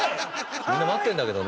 みんな待ってるんだけどね。